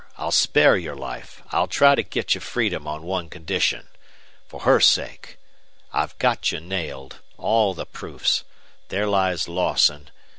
I'll spare your life I'll try to get you freedom on one condition. For her sake! I've got you nailed all the proofs. There lies Lawson.